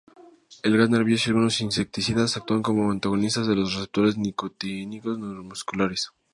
El gas nervioso y algunos insecticidas actúan como antagonistas de los receptores nicotínicos neuromusculares.